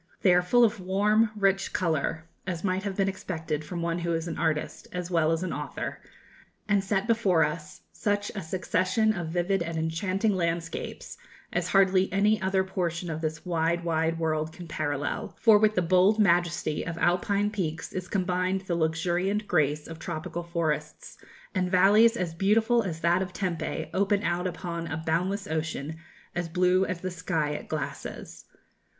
They are full of warm, rich colour, as might have been expected from one who is an artist as well as an author, and set before us such a succession of vivid and enchanting landscapes as hardly any other portion of this wide, wide world can parallel; for with the bold majesty of Alpine peaks is combined the luxuriant grace of tropical forests, and valleys as beautiful as that of Tempe open out upon a boundless ocean as blue as the sky it glasses.